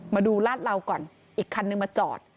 มาดูลาดเหลาก่อนอีกคันนึงมาจอด